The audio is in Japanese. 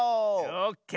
オッケー。